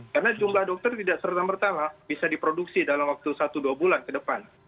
karena jumlah dokter tidak serta merta bisa diproduksi dalam waktu satu dua bulan ke depan